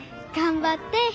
頑張って。